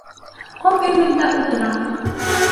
Ҡом өйөмөндә ултыраһың.